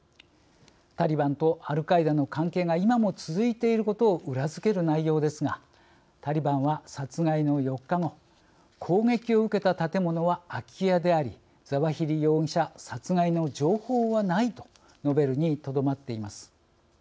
タリバンとアルカイダの関係が今も続いていることを裏づける内容ですがタリバンは殺害の４日後「攻撃を受けた建物は空き家でありザワヒリ容疑者殺害の情報はない」と述べるにとどまっています。